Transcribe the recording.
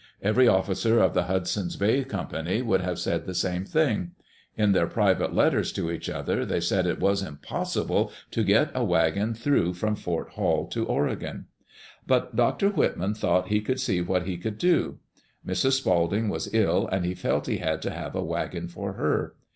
Every officer of the Hudson's Bay Com pany would have said the same thing. In their private letters to each other they said it was impossible to get a wagon through from Fort Hall to Oregon. But Dr. Whitman thought he would see what he could do. Mrs. Spalding was ill, and he felt he had to have a wagon for her.